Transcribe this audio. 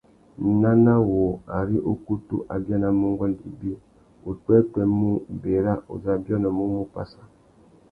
Nana wu, ari ukutu a bianamú nguêndê ibi, upwêpwê mú : Berra uzu a biônômú mú Passa.